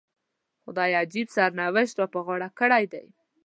خدای عجیب سرنوشت را په غاړه کړی دی.